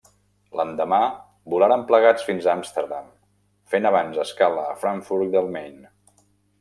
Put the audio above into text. L'endemà, volaren plegats fins a Amsterdam, fent abans escala a Frankfurt del Main.